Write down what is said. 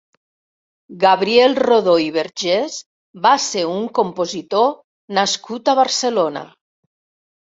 Gabriel Rodó i Vergés va ser un compositor nascut a Barcelona.